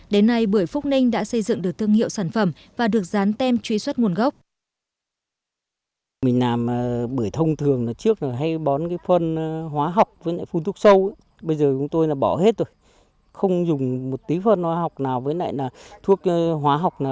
đến nay bưởi phúc ninh đã xây dựng được thương hiệu sản phẩm và được dán tem truy xuất nguồn gốc